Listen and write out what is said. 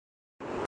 گناہ اور بھی ہوں۔